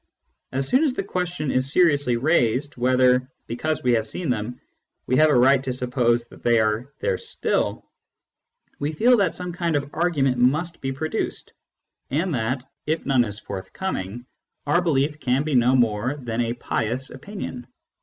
As soon as the question is seriously raised whether, because we have seen them, we have a right to suppose that they are there still, we feel that some kind of argument must be produced, and that if none is forthcoming, our belief can be no more than a pious opinion.